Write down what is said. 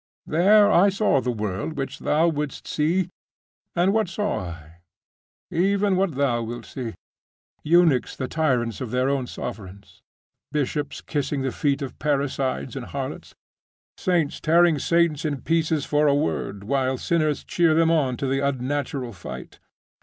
There I saw the world which thou wouldst see. And what saw I? Even what thou wilt see. Eunuchs the tyrants of their own sovereigns. Bishops kissing the feet of parricides and harlots. Saints tearing saints in pieces for a word, while sinners cheer them on to the unnatural fight.